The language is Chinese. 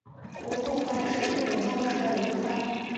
园部藩是日本江户时代的一个藩。